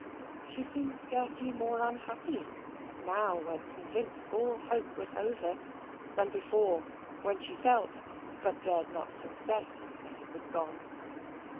She seemed scarcely more unhappy now when convinced all hope was over, than before when she felt but dared not confess that it was gone.